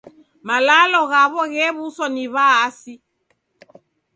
Malalo ghaw'o ghew'uswa ni W'aasi.